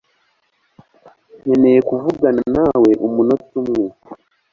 Nkeneye kuvugana nawe umunota umwe.